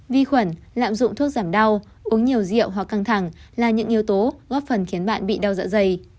vi khuẩn lạm dụng thuốc giảm đau uống nhiều rượu hoặc căng thẳng là những yếu tố góp phần khiến bạn bị đau dạ dày